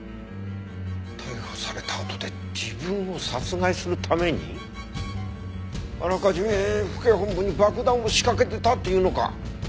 逮捕されたあとで自分を殺害するためにあらかじめ府警本部に爆弾を仕掛けてたっていうのか？